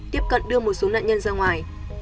tiếp cận đưa một số nạn nhân ra ngoài